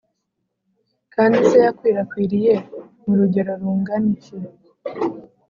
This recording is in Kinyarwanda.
kandi se yakwirakwiriye mu rugero rungana iki?